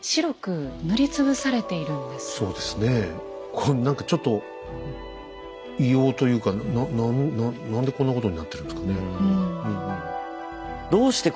これ何かちょっと異様というか何でこんなことになってるんですかね。